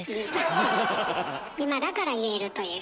今だから言えるという。